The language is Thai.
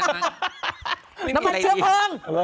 น้ำมันเชื้อเพลิง